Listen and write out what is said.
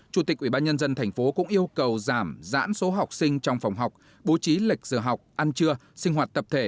chủ tịch ubnd tp cũng yêu cầu giảm giãn số học sinh trong phòng học bố trí lệch giờ học ăn trưa sinh hoạt tập thể